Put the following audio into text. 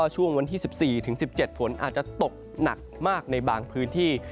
ช่วงวันที่๑๔ถึง๑๗ฝนอาจจะตกหนักมากในบางพื้นที่